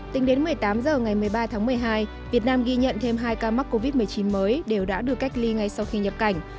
tính đến một mươi tám h ngày một mươi ba tháng một mươi hai việt nam ghi nhận thêm hai ca mắc covid một mươi chín mới đều đã được cách ly ngay sau khi nhập cảnh